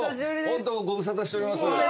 ご無沙汰しております。